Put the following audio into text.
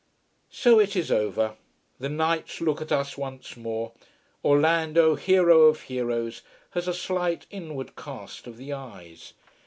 So it is over. The knights look at us once more. Orlando, hero of heroes, has a slight inward cast of the eyes.